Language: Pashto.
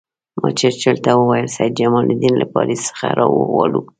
ما چرچل ته وویل سید جمال الدین له پاریس څخه را وغواړو.